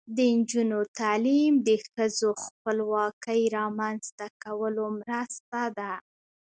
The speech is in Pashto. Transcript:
د نجونو تعلیم د ښځو خپلواکۍ رامنځته کولو مرسته ده.